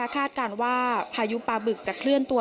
คาดการณ์ว่าพายุปลาบึกจะเคลื่อนตัว